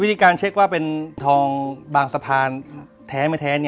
วิธีการเช็คว่าเป็นทองบางสะพานแท้ไม่แท้